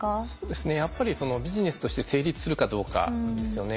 やっぱりビジネスとして成立するかどうかですよね。